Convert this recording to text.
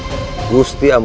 agar kita tahu